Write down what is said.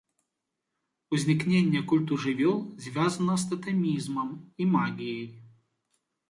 Узнікненне культу жывёл звязана з татэмізмам і магіяй.